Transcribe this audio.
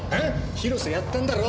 広瀬やったんだろ！？